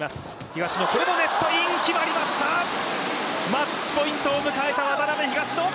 マッチポイントを迎えた渡辺・東野！